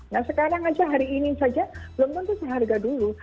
nah sekarang aja hari ini saja belum tentu seharga dulu